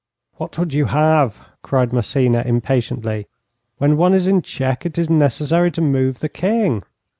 'What would you have?' cried Massena impatiently. 'When one is in check, it is necessary to move the king.'